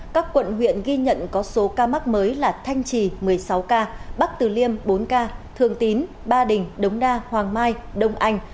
các quận huyện ghi nhận có số ca mắc mới là thanh trì một mươi sáu ca bắc từ liêm bốn ca thường tín ba đình đống đa hoàng mai đông anh